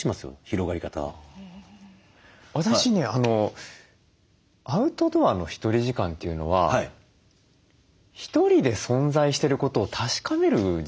私ねアウトドアのひとり時間というのはひとりで存在してることを確かめる時間なんだろうなと思って。